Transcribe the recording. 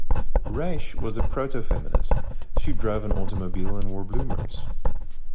Raiche was a proto-feminist, she drove an automobile and wore bloomers.